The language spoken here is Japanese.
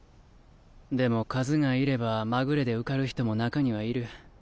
でも数がいればまぐれで受かる人も中にはいる。